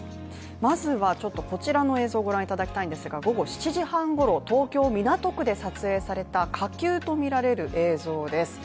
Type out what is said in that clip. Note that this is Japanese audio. まずはちょっとこちらの映像をご覧いただきたいんですが午後７時半ごろ、東京・港区で撮影された火球とみられる映像です。